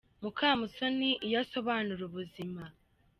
Mukamusoni iyo asobanura ubuzima.